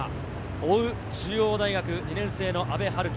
追う中央大学２年生の阿部陽樹。